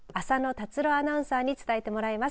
達郎アナウンサーに伝えてもらいます。